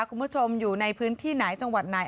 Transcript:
คุณผู้ชมอยู่ในพื้นที่ไหนจังหวัดไหน